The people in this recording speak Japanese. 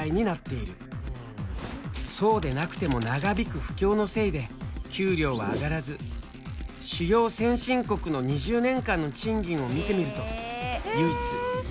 そうでなくても長引く不況のせいで給料は上がらず主要先進国の２０年間の賃金を見てみると唯一日本だけがマイナスという結果に。